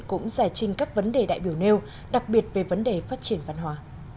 cũng giải trình các vấn đề đại biểu nêu đặc biệt về vấn đề phát triển văn hóa